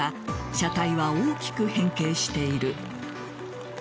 車体は大きく変形している。